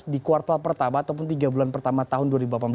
di kuartal pertama ataupun tiga bulan pertama tahun dua ribu delapan belas